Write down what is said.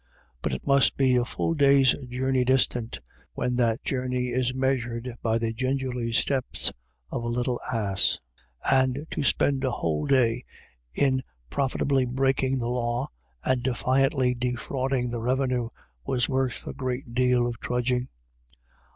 But it must be a full day's journey distant, when that journey is measured by the gingerly steps of a little ass ; and to spend a whole day in profitably breaking the law and defiantly defrauding the revenue was worth a great deal of trudging.